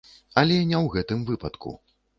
Але не ў гэтым выпадку.